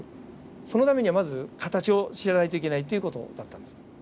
そのためにはまず形を知らないといけないという事だったんです。